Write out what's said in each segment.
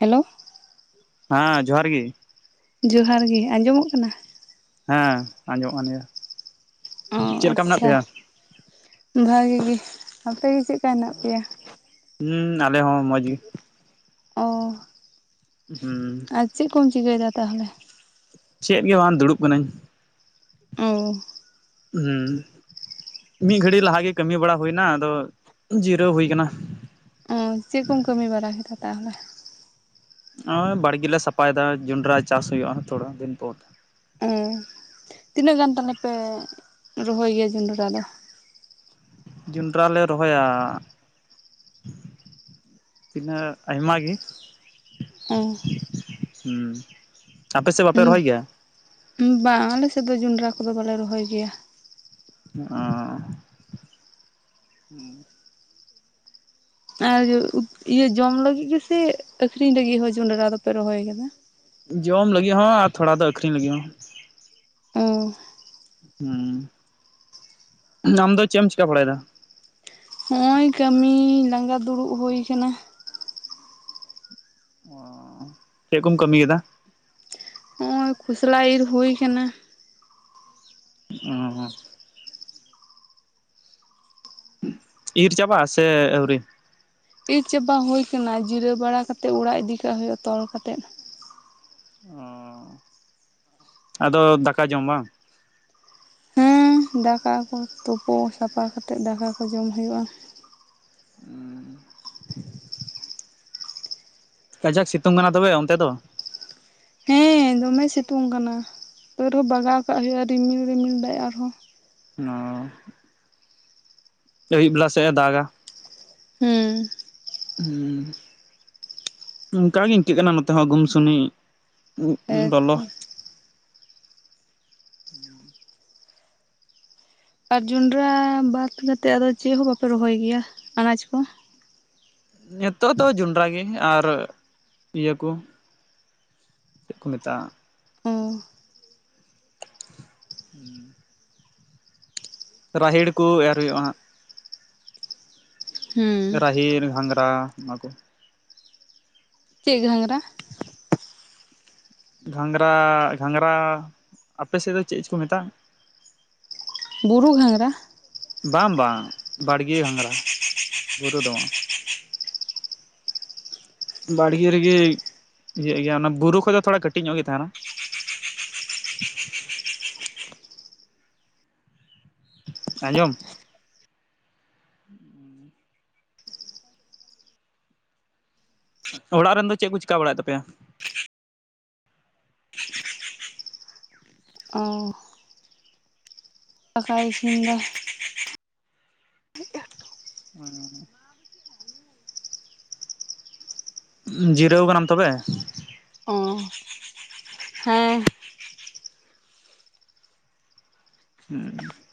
Hello? ᱦᱟᱸ ᱡᱚᱦᱟᱸᱨ ᱜᱤ᱾ ᱡᱚᱦᱟᱨ ᱜᱤ, ᱟᱸᱡᱚᱢᱚᱜ ᱠᱟᱱᱟ? ᱦᱮᱸ ᱟᱸᱡᱚᱢᱚᱜ ᱠᱟᱱ ᱜᱮᱭᱟ᱾ ᱚ ᱪᱮᱫ ᱞᱮᱠᱟ ᱢᱮᱱᱟᱜ ᱟᱪᱪᱷᱟ ᱯᱮᱭᱟ ᱵᱷᱟᱹᱜᱤ ᱜᱤ, ᱟᱯᱮ ᱜᱮ ᱪᱮᱜ ᱠᱟ ᱦᱮᱱᱟᱜ ᱯᱮᱭᱟ? ᱦᱩᱸ ᱟᱞᱮ ᱦᱚᱸ ᱢᱚᱡᱽ ᱜᱮ᱾ ᱚᱼᱼ ᱦᱩᱸ᱾ ᱟᱨ ᱪᱮᱫ ᱠᱚᱢ ᱪᱤᱠᱟᱹᱭᱮᱫᱟ ᱛᱟᱦᱞᱮ? ᱪᱮᱫ ᱜᱮ ᱵᱟᱝ ᱫᱩᱲᱩᱵ ᱠᱟᱹᱱᱟᱹᱧ᱾ ᱚᱼᱼ ᱦᱩᱸ᱾ ᱢᱤᱫ ᱜᱷᱟᱹᱲᱤ ᱞᱟᱦᱟ ᱜᱮ ᱠᱟᱹᱢᱤ ᱵᱟᱲᱟ ᱦᱩᱭ ᱱᱟ ᱟᱫᱚ ᱡᱤᱨᱟᱹᱣ ᱦᱩᱭ ᱠᱟᱱᱟ᱾ ᱚ ᱪᱮᱫ ᱠᱚᱢ ᱠᱟᱹᱢᱤ ᱵᱟᱲᱟ ᱠᱮᱫᱟ ᱛᱟᱦᱚᱞᱮ? ᱚᱭ ᱵᱟᱲᱜᱤ ᱞᱮ ᱥᱟᱯᱟᱭ ᱫᱟ ᱡᱚᱱᱰᱨᱟ ᱪᱟᱥ ᱦᱩᱭᱩᱜᱼᱟ ᱛᱷᱚᱲᱟ ᱫᱤᱱ ᱯᱚᱨ᱾ ᱚ ᱛᱤᱱᱟᱹᱜ ᱜᱟᱱ ᱛᱟᱞᱦᱮ ᱯᱮ ᱨᱚᱦᱚᱭ ᱜᱮᱭᱟ ᱡᱚᱸᱰᱨᱟ ᱫᱚ? ᱡᱚᱸᱰᱨᱟ ᱞᱮ ᱨᱚᱦᱚᱭᱟ᱾ ᱛᱤᱱᱟᱹᱜ ᱟᱭᱢᱟ ᱜᱤ᱾ ᱚ᱾ ᱦᱩᱸ ᱟᱯᱮ ᱥᱮ ᱵᱟᱯᱮ ᱨᱚᱦᱚᱭ ᱜᱮᱭᱟ? ᱵᱟᱝ ᱟᱞᱮ ᱥᱮᱫ ᱫᱚ ᱡᱚᱱᱰᱨᱟ ᱠᱚᱫᱚ ᱵᱟᱞᱮ ᱨᱚᱦᱚᱭ ᱜᱮᱭᱟ᱾ ᱚᱻ ᱟᱨ ᱤᱭᱟᱹ ᱡᱚᱢ ᱞᱟᱹᱜᱤᱫ ᱜᱮᱥᱮ ᱟᱹᱠᱷᱨᱤᱧ ᱞᱟᱹᱜᱤᱫ ᱦᱚᱸ ᱡᱚᱸᱰᱨᱟ ᱫᱚᱯᱮ ᱨᱚᱦᱚᱭ ᱠᱟᱫᱟ? ᱡᱚᱢ ᱞᱟᱹᱜᱤ ᱦᱚᱸ ᱟᱨ ᱛᱷᱚᱲᱟ ᱫᱚ ᱟᱹᱠᱷᱨᱤᱧ ᱞᱟᱹᱜᱤ ᱦᱚᱸ᱾ ᱚ᱾ ᱦᱩᱸ ᱟᱢ ᱫᱚ ᱪᱮ ᱮᱢ ᱪᱤᱠᱟ ᱵᱟᱲᱟᱭᱫᱟ? ᱦᱚᱸᱜ ᱚᱭ ᱠᱟᱹᱢᱤ ᱞᱟᱸᱜᱟ ᱫᱩᱲᱩᱵ ᱦᱩᱭ ᱠᱟᱱᱟ᱾ ᱚ ᱪᱮᱫ ᱠᱚᱢ ᱠᱟᱹᱢᱤ ᱠᱮᱫᱟ? ᱚᱭ ᱠᱷᱩᱥᱞᱟ ᱤᱨ ᱦᱩᱭ ᱠᱟᱱᱟ᱾ ᱚᱼᱼ ᱤᱨ ᱪᱟᱵᱟ ᱥᱮ ᱟᱹᱣᱨᱤ? ᱤᱨ ᱪᱟᱵᱟ ᱦᱳᱭ ᱠᱟᱱᱟ ᱡᱤᱨᱟᱹᱣ ᱵᱟᱲᱟ ᱠᱟᱛᱮᱫ ᱚᱲᱟᱜ ᱤᱫᱤ ᱠᱟᱜ ᱦᱳᱭᱳᱟ ᱛᱚᱞ ᱠᱟᱛᱮᱫ ᱾ ᱚ ᱟᱫᱚ ᱫᱟᱠᱟ ᱡᱚᱢ ᱵᱟᱝ? ᱦᱮᱸ ᱫᱟᱠᱟ ᱠᱚ ᱛᱳᱯᱳ ᱥᱟᱯᱟ ᱠᱟᱛᱮ ᱫᱟᱠᱟ ᱠᱚ ᱡᱚᱢ ᱦᱳᱭᱳᱜ-ᱟ ᱾ ᱩᱸ ᱠᱟᱡᱟᱠ ᱥᱤᱛᱩᱝ ᱠᱟᱱᱟ ᱛᱚᱵᱮ ᱚᱱᱛᱮ ᱫᱚ? ᱦᱮᱸ ᱫᱚᱢᱮ ᱥᱤᱛᱩᱝ ᱠᱟᱱᱟ ᱛᱟᱣ ᱨᱮᱦᱚᱸ ᱵᱟᱜᱟᱣ ᱠᱟᱜ ᱦᱩᱭᱩᱜ-ᱟ, ᱨᱤᱢᱤᱞ ᱨᱤᱢᱤᱞ ᱫᱟᱭ ᱟᱨ ᱦᱚᱸ ᱚ ᱟᱹᱭᱩᱵ ᱵᱮᱞᱟ ᱥᱮᱜ ᱮ ᱫᱟᱜᱟ ᱾ ᱦᱩᱸ ᱾ ᱦᱩᱸ ᱚᱝᱠᱟ ᱜᱤ ᱤᱝᱠᱟᱹᱜ ᱠᱟᱱᱟ ᱱᱚᱛᱮ ᱦᱚᱸ ᱜᱩᱢ ᱥᱩᱱᱤ ᱦᱮᱸ ᱞᱚᱞᱚ ᱦᱮᱸᱛᱚ [inaudible] ᱟᱨ ᱡᱚᱸᱰᱨᱟ ᱵᱟᱫᱽ ᱠᱟᱛᱮᱫ ᱟᱫᱚ ᱪᱮᱫ ᱦᱚᱸ ᱵᱟᱯᱮ ᱨᱚᱦᱚᱭ ᱜᱮᱭᱟ ᱟᱱᱟᱪ ᱠᱚ? ᱱᱤᱛᱚᱜ ᱫᱚ ᱡᱚᱸᱰᱨᱟ ᱜᱮ ᱟᱨ ᱤᱭᱟᱹ ᱠᱚ ᱪᱮᱫ ᱠᱚ ᱢᱮᱛᱟᱜᱼᱟ? ᱚ [unintelligible] ᱨᱟᱦᱮᱲ ᱠᱚ ᱮᱨ ᱦᱩᱭᱩᱜᱼᱟ ᱦᱟᱸᱜ ᱦᱮᱸ ᱨᱟᱦᱮᱲ ᱜᱷᱟᱸᱝᱨᱟ ᱚᱱᱟᱠᱩ ᱪᱮᱫ ᱜᱷᱟᱸᱝᱨᱟ? ᱜᱷᱟᱸᱝᱨᱟ ᱜᱷᱟᱸᱝᱨᱟ ᱟᱯᱮ ᱥᱮᱫ ᱫᱚ ᱪᱮᱫ ᱪᱚ ᱠᱚ ᱢᱮᱛᱟᱜᱼᱟ? ᱵᱩᱨᱩ ᱜᱷᱟᱸᱝᱨᱟ? ᱵᱟᱝ ᱵᱟᱝ ᱵᱟᱲᱜᱮ ᱜᱷᱟᱸᱝᱨᱟ, ᱵᱩᱨᱩ ᱫᱚ ᱵᱟᱝ ᱾ ᱵᱟᱲᱜᱮ ᱨᱮᱜᱮ ᱤᱭᱟᱹᱜ ᱜᱮᱭᱟ, ᱚᱱᱟ ᱵᱩᱨᱩ ᱠᱷᱚᱡ ᱫᱚ ᱛᱷᱚᱲᱟ ᱠᱟᱹᱴᱤᱡ ᱧᱚᱜ ᱜᱮ ᱛᱟᱦᱮᱱᱟ ᱟᱸᱡᱚᱢ? [inaudible] ᱚᱲᱟᱜ ᱨᱮᱱ ᱫᱚ ᱪᱮᱫ ᱠᱚ ᱪᱤᱠᱟ ᱵᱟᱲᱟᱭᱮᱫ ᱛᱟᱯᱮᱭᱟ? ᱚ ᱫᱟᱠᱟᱭ ᱤᱥᱤᱱ ᱫᱟ [inaudible] ᱡᱤᱨᱟᱹᱣ ᱠᱟᱱᱟᱢ ᱛᱚᱵᱮ? ᱚ ᱦᱮᱸ ᱾ ᱦᱩᱸ ᱾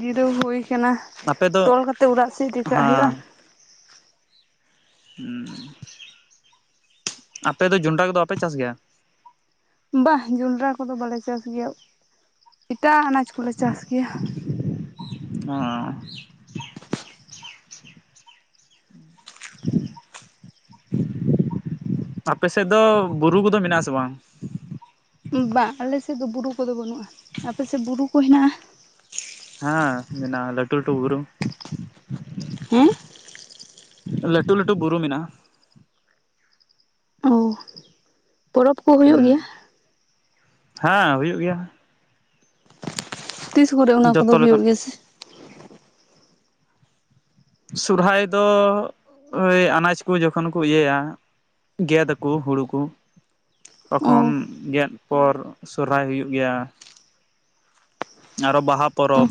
ᱡᱤᱨᱟᱹᱣ ᱦᱳᱭ ᱟᱠᱟᱱᱟ, ᱟᱯᱮ ᱫᱚ ᱛᱚᱞ ᱠᱟᱛᱮᱜ ᱚᱲᱟᱜ ᱥᱮᱡ ᱤᱫᱤ ᱠᱟᱜ ᱦᱩᱭᱩᱜᱼᱟ ᱾ ᱦᱮᱸ ᱦᱩᱸ ᱟᱯᱮ ᱫᱚ ᱡᱚᱸᱱᱰᱨᱟ ᱠᱚᱫᱚ ᱵᱟᱯᱮ ᱪᱟᱥ ᱜᱮᱭᱟ? ᱵᱟ ᱡᱚᱸᱰᱨᱟ ᱠᱚᱫᱚ ᱵᱟᱞᱮ ᱪᱟᱥ ᱜᱮᱭᱟ, ᱮᱴᱟᱜ ᱟᱱᱟᱡᱽ ᱠᱚᱞᱮ ᱪᱟᱥ ᱜᱮᱭᱟ᱾ [unintelligible] ᱟᱯᱮ ᱥᱮᱫ ᱫᱚ ᱵᱩᱨᱩ ᱠᱚᱫᱚ ᱢᱮᱱᱟᱜ-ᱟ ᱥᱮ ᱵᱟᱝ? ᱵᱟᱝ ᱟᱞᱮᱥᱮᱫ ᱫᱚ ᱵᱩᱨᱩ ᱠᱚᱫᱚ ᱵᱟᱹᱱᱩᱜᱼᱟ, ᱟᱯᱮᱥᱮᱫ ᱵᱩᱨᱩ ᱠᱚ ᱦᱮᱱᱟᱜᱼᱟ? ᱦᱮᱸ ᱢᱮᱱᱟᱜ-ᱟ, ᱞᱟᱹᱴᱩ ᱞᱟᱹᱴᱩ ᱵᱩᱨᱩ ᱦᱮᱸ ᱾ ᱞᱟᱹᱴᱩ ᱞᱟᱹᱴᱩ ᱵᱩᱨᱩ ᱢᱮᱱᱟᱜᱼᱟ ᱾ ᱚ ᱯᱚᱨᱚᱵᱽ ᱠᱚ ᱦᱩᱭᱩᱜ ᱜᱮᱭᱟ? ᱦᱩᱸ ᱦᱮᱸ ᱦᱩᱭᱩᱜ ᱜᱮᱭᱟ ᱾ ᱛᱤᱥ ᱠᱚᱨᱮ ᱚᱱᱟ ᱠᱚᱫᱚ ᱡᱚᱛᱚ ᱦᱩᱭᱩᱜ ᱞᱮᱠᱟᱱ ᱜᱮᱭᱟ ᱥᱮ ᱥᱚᱨᱦᱟᱭ ᱫᱚ ᱳᱭ ᱟᱱᱟᱡᱽ ᱠᱚ ᱡᱚᱠᱷᱚᱱ ᱠᱚ ᱤᱭᱟᱹᱭᱟ ᱜᱮᱫ ᱟᱠᱚ ᱠᱚ ᱦᱩᱲᱩ ᱠᱚ ᱛᱚᱠᱷᱚᱱ ᱚ ᱜᱮᱫ ᱯᱚᱨ ᱥᱚᱨᱦᱟᱭ ᱦᱩᱭᱩᱜ ᱜᱮᱭᱟ ᱟᱨᱚ ᱵᱟᱦᱟ ᱚ ᱯᱚᱨᱚᱵᱽ,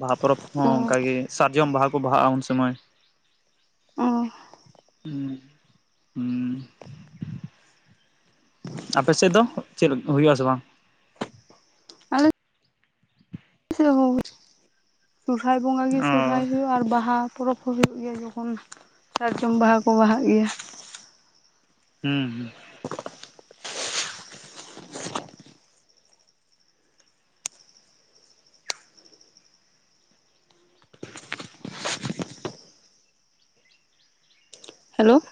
ᱵᱟᱦᱟ ᱯᱚᱨᱚᱵᱽ ᱦᱚᱸ ᱚ ᱚᱱᱠᱟ ᱜᱮ ᱥᱟᱨᱡᱚᱢ ᱵᱟᱦᱟ ᱠᱚ ᱵᱟᱦᱟᱜᱼᱟ ᱩᱱ ᱥᱚᱢᱚᱭ ᱚ ᱦᱩᱸ ᱦᱩᱸ ᱾ ᱟᱯᱮ ᱥᱮᱫ ᱫᱚ ᱪᱮᱫ ᱦᱩᱭᱩᱜ-ᱟ ᱥᱮ ᱵᱟᱝ? ᱥᱮ ᱦᱳ ᱥᱚᱨᱦᱟᱭ ᱵᱚᱸᱜᱟ ᱜᱮ ᱚ ᱥᱚᱨᱦᱟᱭ ᱦᱩᱭᱩᱜᱼᱟ, ᱟᱨ ᱵᱟᱦᱟ ᱯᱚᱨᱚᱵᱽ ᱦᱚᱸ ᱦᱩᱭᱩᱜ ᱜᱮᱭᱟ ᱡᱚᱠᱷᱚᱱ ᱥᱟᱨᱡᱚᱢ ᱵᱟᱦᱟ ᱠᱚ ᱵᱟᱦᱟᱜ ᱜᱮᱭᱟ᱾ ᱦᱩᱸ ᱦᱩᱸ᱾ [unintelligible] ᱦᱮᱞᱳᱼᱼ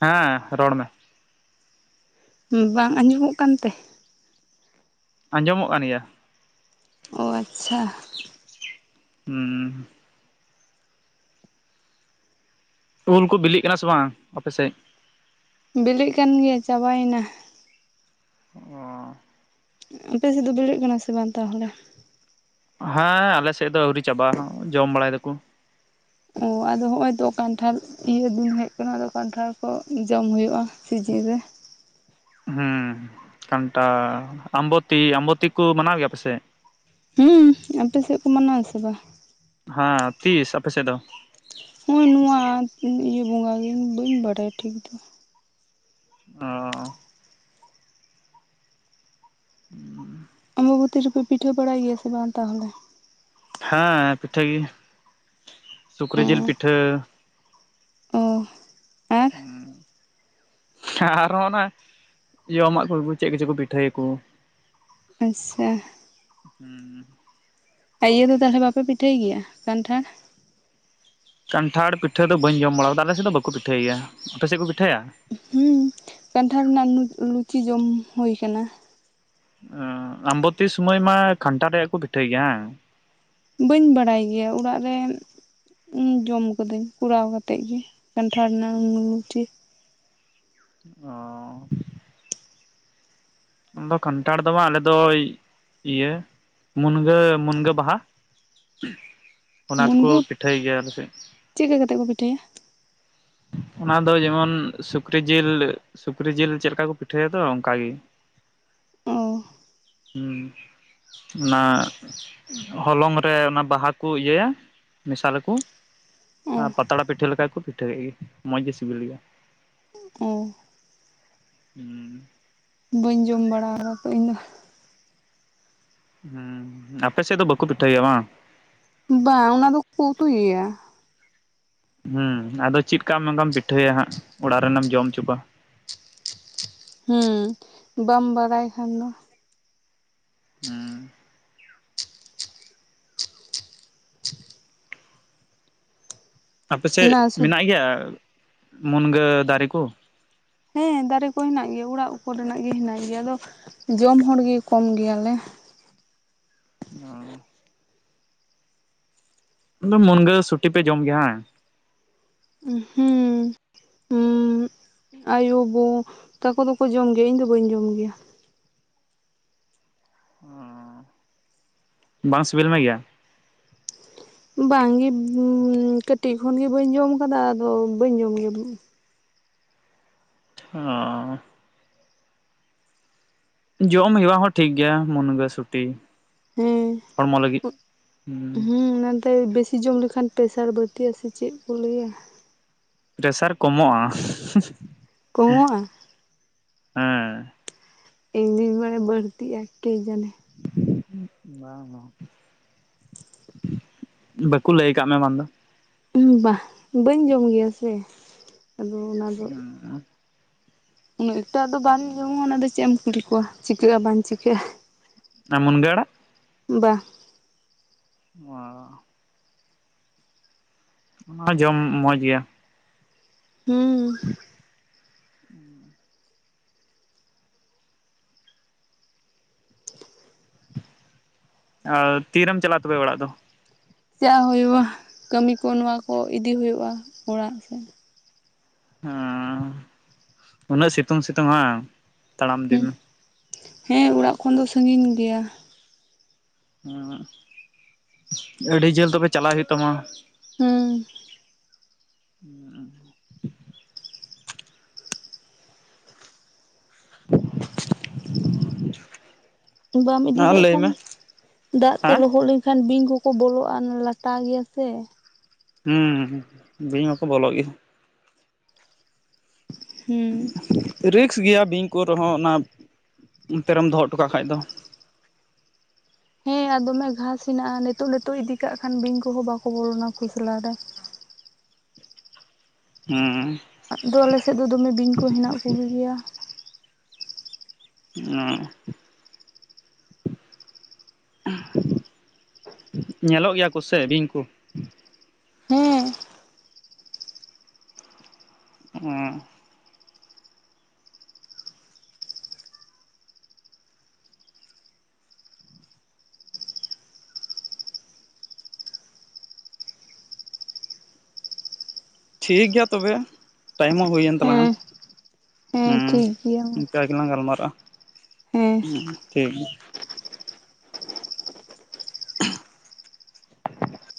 ᱦᱮᱸ ᱨᱚᱲ ᱢᱮ᱾ ᱵᱟᱝ ᱟᱸᱡᱚᱢᱚᱜ ᱠᱟᱱᱛᱮ? ᱟᱸᱡᱚᱢᱚᱜ ᱠᱟᱱ ᱜᱮᱭᱟ᱾ ᱚ ᱟᱪᱪᱷᱟ᱾ ᱦᱩᱸ᱾ ᱩᱞ ᱠᱚ ᱵᱤᱞᱤᱜ ᱠᱟᱱᱟ ᱥᱮ ᱵᱟᱝ ᱟᱯᱮ ᱥᱮᱫ? ᱵᱤᱞᱤᱜ ᱠᱟᱱ ᱜᱮᱭᱟ ᱪᱟᱵᱟᱭᱮᱱᱟ᱾ ᱚᱼᱼ ᱟᱯᱮ ᱥᱮᱫ ᱫᱚ ᱵᱤᱞᱤᱜ ᱠᱟᱱᱟ ᱥᱮ ᱵᱟᱝ ᱛᱟᱦᱚᱞᱮ? ᱦᱮᱸ ᱟᱞᱮ ᱥᱮᱫ ᱫᱚ ᱟᱣᱨᱤ ᱪᱟᱵᱟ ᱦᱚᱸ ᱡᱚᱢ ᱵᱟᱲᱟᱭ ᱫᱟᱠᱚ᱾ ᱚ ᱟᱫᱚ ᱦᱚᱸᱜ ᱚᱭ ᱛᱚ ᱠᱟᱱᱴᱷᱟᱲ ᱤᱭᱟᱹ ᱫᱤᱱ ᱦᱮᱡ ᱟᱠᱟᱱᱟ ᱟᱫᱚ ᱠᱟᱱᱴᱷᱟᱲ ᱠᱚ ᱡᱚᱢ ᱦᱩᱭᱩᱜᱼᱟ, ᱥᱤᱡᱤᱱ ᱨᱮᱼᱼ ᱦᱩᱸ ᱠᱟᱱᱴᱷᱟᱲ ᱟᱢᱵᱛᱤ ᱟᱢᱵᱛᱤ ᱠᱚ ᱢᱟᱱᱟᱣ ᱜᱮᱭᱟ ᱟᱯᱮᱥᱮᱫ? ᱦᱩᱸ ᱟᱯᱮ ᱥᱮᱫ ᱠᱚ ᱢᱟᱱᱟᱣᱟ ᱥᱮ ᱵᱟᱝ? ᱦᱟᱸ ᱛᱤᱥ ᱟᱯᱮ ᱥᱮᱫ ᱫᱚ? ᱦᱩᱭ ᱱᱚᱶᱟ ᱤᱭᱟᱹ ᱵᱚᱸᱜᱟ ᱜᱮ ᱵᱟᱹᱧ ᱵᱟᱲᱟᱭᱟ ᱴᱷᱤᱠ ᱫᱚ᱾ ᱚᱼᱼ [inaudible] ᱚᱢᱵᱚᱵᱚᱛᱤ ᱨᱮᱯᱮ ᱯᱤᱴᱷᱟᱹ ᱵᱟᱲᱟᱭ ᱜᱮᱭᱟ ᱥᱮ ᱵᱟᱝ ᱛᱟᱦᱚᱞᱮ? ᱦᱮᱸ ᱯᱤᱴᱷᱟᱹ ᱜᱮ ᱥᱩᱠᱨᱤ ᱡᱤᱞ ᱯᱤᱴᱷᱟᱹ᱾ ᱚ [unintelligible] ᱟᱨᱦᱚᱸ ᱚᱱᱟ ᱡᱚᱢᱟᱜ ᱠᱚ ᱪᱮᱫ ᱠᱚᱪᱚ ᱠᱚ ᱯᱤᱴᱷᱟᱹᱭᱟ ᱠᱩ᱾ ᱟᱪᱪᱷᱟ᱾ ᱦᱩᱸ᱾ ᱟᱨ ᱤᱭᱟᱹ ᱫᱚ ᱛᱟᱦᱚᱞᱮ ᱵᱟᱯᱮ ᱯᱤᱴᱷᱟᱹᱭ ᱜᱮᱭᱟ ᱠᱟᱱᱴᱷᱟᱲ? ᱠᱟᱱᱴᱷᱟᱲ ᱯᱤᱴᱟᱹ ᱫᱚ ᱵᱟᱹᱧ ᱡᱚᱢ ᱵᱟᱲᱟ ᱟᱠᱟᱫᱟ ᱟᱞᱮ ᱥᱮᱫ ᱫᱚ ᱵᱟᱠᱩ ᱯᱤᱴᱷᱟᱹᱭ ᱜᱮᱭᱟ, ᱟᱯᱮᱥᱮᱫ ᱠᱚ ᱯᱤᱴᱷᱟᱹᱭᱟ? ᱦᱩᱸ ᱠᱟᱱᱴᱷᱟᱲ ᱨᱮᱱᱟᱜ ᱱᱩ ᱞᱩᱪᱤ ᱡᱚᱢ ᱦᱩᱭ ᱠᱟᱱᱟ᱾ ᱟᱢᱵᱚᱛᱤ ᱥᱚᱢᱚᱭ ᱢᱟ ᱠᱷᱟᱱᱷᱴᱟᱲ ᱨᱮᱭᱟᱜ ᱜᱮ ᱠᱚ ᱯᱤᱴᱷᱟᱹᱭ ᱜᱮᱭᱟ ᱦᱮᱸ᱾ ᱵᱟᱹᱧ ᱵᱟᱲᱟᱭ ᱜᱮᱭᱟ ᱚᱲᱟᱜ ᱨᱮᱱ ᱡᱚᱢ ᱠᱟᱫᱟᱹᱧ ᱠᱚᱨᱟᱣ ᱠᱟᱛᱮ ᱾ ᱛᱮᱫ ᱜᱮ ᱠᱟᱱᱴᱷᱟᱲ ᱨᱮᱱᱟᱜ ᱱᱩ ᱱᱩᱪᱤ᱾ ᱚᱸ ᱟᱫᱚ ᱠᱟᱱᱴᱷᱟᱲ ᱫᱚ ᱵᱟᱝ ᱟᱞᱮᱫ ᱫᱚ ᱤᱭᱟᱹ ᱢᱩᱱᱜᱟᱹ ᱢᱩᱱᱜᱟᱹ ᱵᱟᱦᱟ᱾ ᱚᱱᱟ ᱛᱮᱠᱚ ᱯᱤᱴᱷᱟᱹᱭ ᱜᱮᱭᱟ ᱟᱞᱮ ᱥᱮᱫ᱾ ᱪᱮᱠᱠᱟ ᱠᱟᱛᱮ ᱠᱚ ᱯᱤᱴᱷᱟᱹᱭᱟ? ᱚᱱᱟ ᱫᱚ ᱡᱮᱢᱚᱱ ᱥᱩᱠᱨᱤ ᱡᱤᱞ ᱥᱩᱠᱨᱤ ᱡᱤᱞ ᱪᱮᱫ ᱞᱮᱠᱟ ᱠᱚ ᱯᱤᱴᱷᱟᱹᱭ ᱫᱚ ᱚᱱᱠᱟ ᱜᱮ᱾ ᱚ ᱦᱩᱸ ᱱᱟ᱾ ᱦᱚᱞᱚᱝ ᱨᱮ ᱚᱱᱟ ᱵᱟᱦᱟᱠᱚ ᱤᱭᱟᱹᱭᱟ ᱢᱮᱥᱟᱞᱟᱠᱚ᱾ ᱟᱨ ᱚ ᱯᱟᱛᱲᱟ ᱯᱤᱴᱷᱟᱹ ᱞᱮᱠᱟ ᱜᱮ ᱠᱚ ᱯᱤᱴᱷᱟᱹ ᱠᱮᱜ ᱜᱮ᱾ ᱢᱚᱸᱡᱽ ᱜᱮ ᱥᱤᱵᱤᱞ ᱜᱮᱭᱟ, ᱚ ᱦᱩ᱾ ᱵᱟᱹᱧ ᱡᱚᱢ ᱵᱟᱲᱟ ᱟᱠᱟᱫᱟ ᱛᱚ ᱤᱧᱫᱚ᱾ ᱦᱩᱸ ᱟᱯᱮ ᱥᱮᱫ ᱫᱚ ᱵᱟᱠᱩ ᱯᱤᱴᱷᱟᱹᱭ ᱜᱮᱭᱟ ᱵᱟᱝ? ᱵᱟᱝ ᱚᱱᱟ ᱫᱚᱠᱚ ᱩᱛᱩᱭ ᱜᱮᱭᱟ᱾ ᱦᱮᱸ ᱟᱫᱚ ᱪᱤᱫ ᱠᱟᱜ ᱢᱮ ᱚᱱᱠᱟᱢ ᱯᱤᱴᱷᱟᱹᱭᱟ ᱦᱟᱸᱜ ᱚᱲᱟᱜ ᱨᱮᱱᱮᱢ ᱡᱚᱢ ᱚᱪᱚ ᱠᱚᱣᱟ᱾ ᱦᱩᱸ ᱵᱟᱢ ᱵᱟᱲᱟᱭ ᱠᱷᱟᱱ ᱫᱚ᱾ ᱦᱩᱸ᱾ ᱟᱯᱮᱥᱮᱫ ᱚᱱᱟ ᱥᱩᱫ ᱢᱮᱱᱟᱜ ᱜᱮᱭᱟ ᱢᱩᱱᱜᱟᱹ ᱫᱟᱨᱮ ᱠᱚ? ᱦᱮᱸ ᱫᱟᱨᱮ ᱠᱚ ᱦᱮᱱᱟᱜ ᱜᱮᱭᱟ ᱚᱲᱟᱜ ᱩᱯᱚᱨ ᱨᱮᱱᱟᱜ ᱜᱮ ᱦᱮᱱᱟᱜ ᱜᱮᱭᱟ ᱟᱫᱚ ᱡᱚᱢ ᱦᱚᱲ ᱜᱮ ᱠᱚᱢ ᱜᱮᱭᱟᱞᱮ᱾ ᱚᱸᱼᱼ ᱢᱩᱱᱜᱟᱹ ᱥᱩᱴᱤ ᱯᱮ ᱡᱚᱢ ᱜᱮᱭᱟ ᱦᱟᱝ? ᱩᱦᱩᱸᱻ ᱾ ᱦᱩᱸ ᱟᱭᱳ ᱜᱳ ᱛᱟᱠᱚ ᱫᱚᱠᱚ ᱡᱚᱢ ᱜᱮᱭᱟ ᱤᱧ ᱫᱚ ᱵᱟᱹᱧ ᱡᱚᱢ ᱜᱮᱭᱟ ᱾ ᱚᱻ, ᱵᱟᱝ ᱥᱤᱵᱤᱞ ᱢᱮ ᱜᱮᱭᱟ? ᱵᱟᱝ ᱜᱮ [unintelligible] ᱠᱟᱹᱴᱤᱡ ᱠᱷᱚᱱᱜᱮ ᱵᱟᱹᱧ ᱡᱚᱢ ᱠᱟᱫᱟ ᱟᱫᱚ ᱵᱟᱹᱧ ᱡᱚᱢ ᱜᱮᱫᱚ ᱾ ᱚᱻ - ᱡᱚᱢ ᱦᱮᱣᱟ ᱦᱚᱸ ᱴᱷᱤᱠ ᱜᱮᱭᱟ ᱢᱩᱱᱜᱟᱹ ᱥᱩᱴᱤ ᱾ ᱦᱮᱸ, ᱦᱩᱸ ᱚᱱᱟ ᱵᱮᱥᱤ ᱡᱚᱢ ᱞᱮᱠᱷᱟᱱ ᱯᱮᱥᱟᱨ ᱵᱟᱹᱲᱛᱤᱜᱼᱟ ᱥᱮ ᱪᱮᱫ ᱠᱚ ᱞᱟᱹᱭᱟᱻ ᱯᱨᱮᱥᱟᱨ ᱠᱚᱢᱚᱜᱼᱟ ᱾ ᱠᱚᱢᱚᱜ-ᱟ? ᱦᱮᱸ ᱾ ᱤᱧ ᱫᱚᱧ ᱵᱟᱲᱟᱭ ᱵᱟᱹᱲᱛᱤᱜᱼᱟ, ᱠᱮ ᱡᱟᱱᱮ ᱾ ᱵᱟᱝ ᱵᱟᱝ ᱾ ᱵᱟᱠᱚ ᱞᱟᱹᱭ ᱠᱟᱜ ᱢᱮ ᱵᱟᱝ ᱫᱚ ᱾ ᱵᱟᱦ ᱵᱟᱹᱧ ᱡᱚᱢ ᱜᱮᱭᱟ ᱥᱮ ᱟᱫᱚ ᱚᱱᱟ ᱫᱚ ᱩᱱᱟᱹᱜ ᱮᱠᱴᱟᱜ ᱫᱚ ᱵᱟᱢ ᱡᱚᱢᱟ ᱚᱱᱟ ᱫᱚ ᱪᱮᱫ ᱮᱢ ᱠᱩᱞᱤ ᱠᱚᱣᱟ ᱪᱤᱠᱟᱹᱜᱼᱟ ᱵᱟᱝ ᱪᱤᱠᱟᱹᱜᱼᱟ ᱾ ᱟᱨ ᱢᱩᱱᱜᱟᱹ ᱟᱲᱟᱜ? ᱵᱟ ᱾ ᱚ ᱾ ᱚᱱᱟ ᱦᱚᱸ ᱡᱚᱢ ᱢᱚᱸᱡᱽ ᱜᱮᱭᱟ ᱾ ᱦᱩᱸ ᱾ ᱟᱨ ᱛᱤ ᱨᱮᱢ ᱪᱟᱞᱟᱜᱼᱟ ᱛᱚᱵᱮ ᱚᱲᱟᱜ ᱫᱚ? ᱪᱟᱜ ᱦᱩᱭᱩᱜᱼᱟ, ᱠᱟᱹᱢᱤ ᱠᱚ ᱱᱚᱣᱟ ᱠᱚ ᱤᱫᱤ ᱦᱩᱭᱩᱜᱼᱟ ᱚᱲᱟᱜ ᱥᱮᱫ ᱾ ᱦᱮᱸ ᱩᱱᱟᱹᱜ ᱥᱤᱛᱩᱝ ᱥᱤᱛᱩᱝ ᱦᱟᱝ ᱛᱟᱲᱟᱢ ᱤᱫᱤ ᱦᱩᱸ ᱢᱮ ᱾ ᱦᱮᱸ, ᱚᱲᱟᱜ ᱠᱷᱚᱱ ᱫᱚ ᱥᱟᱺᱜᱤᱧ ᱜᱮᱭᱟ ᱾ ᱦᱩᱸ, ᱟᱹᱰᱤ ᱡᱷᱟᱹᱞ ᱛᱚᱵᱮ ᱪᱟᱞᱟᱜ ᱦᱩᱭᱩᱜ ᱛᱟᱢᱟ ᱾ ᱦᱩᱸ ᱾ ᱩᱸᱻ᱾ ᱵᱟᱢ ᱤᱫᱤ ᱟᱨ ᱠᱟᱜ ᱞᱟᱹᱭ ᱠᱷᱟᱱ, ᱢᱮ ᱫᱟᱜ ᱛᱮ ᱦᱮᱸ ᱞᱚᱦᱚᱫ ᱞᱮ ᱮᱱᱠᱷᱟᱱ ᱵᱤᱧ ᱠᱚᱠᱚ ᱵᱚᱞᱚᱜᱼᱟ, ᱞᱟᱴᱟ ᱜᱮᱭᱟ ᱥᱮ ᱾ ᱦᱩᱸᱻ, ᱵᱤᱧ ᱢᱟᱠᱚ ᱵᱚᱞᱚᱜ ᱜᱮ ᱾ ᱦᱩᱸ ᱾ ᱨᱤᱠᱥ ᱜᱮᱭᱟ ᱵᱤᱧ ᱠᱚ ᱨᱮᱦᱚᱸ, ᱚᱱᱟ ᱚᱱᱛᱮ ᱨᱮᱢ ᱫᱚᱦᱚ ᱦᱚᱴᱚ ᱠᱟᱜ ᱠᱷᱟᱡ ᱫᱚ ᱾ ᱦᱮᱸ, ᱟᱨ ᱫᱚᱢᱮ ᱜᱷᱟᱥ ᱦᱮᱱᱟᱜᱼᱟ, ᱱᱤᱛᱚᱜ ᱱᱤᱛᱚᱜ ᱤᱫᱤ ᱠᱟᱜ ᱠᱷᱟᱱ ᱵᱤᱧ ᱠᱚᱦᱚᱸ ᱵᱟᱠᱚ ᱵᱚᱞᱚᱱᱟ ᱠᱷᱚᱥᱞᱟ ᱨᱮ ᱾ ᱦᱩᱸ ᱾ ᱟᱫᱚ ᱟᱞᱮ ᱥᱮᱫ ᱫᱚ ᱫᱚᱢᱮ ᱵᱤᱧ ᱠᱚ ᱦᱮᱱᱟᱜ ᱠᱚᱜᱮ ᱜᱮᱭᱟ ᱾ ᱚ ᱾ [unintelligible] ᱧᱮᱞᱚᱜ ᱜᱮᱭᱟ ᱠᱚᱥᱮ ᱵᱤᱧ ᱠᱚ? ᱦᱮᱸ᱾ ᱚᱸ ᱾ ᱴᱷᱤᱠ ᱜᱮᱭᱟ ᱛᱚᱵᱮ ᱴᱟᱭᱤᱢ ᱦᱚᱸ ᱦᱩᱭᱮᱱ ᱛᱟᱞᱟᱝᱟ, ᱦᱮᱸ ᱦᱮᱸ ᱦᱩᱸ ᱴᱷᱤᱠ ᱜᱮᱭᱟ ᱾ ᱢᱟ ᱚᱱᱠᱟ ᱜᱮᱞᱟᱝ ᱜᱟᱞᱢᱟᱨᱟᱜᱼᱟ, ᱦᱮᱸ ᱴᱷᱤᱠ ᱜᱮᱭᱟ ᱾ [inaudible]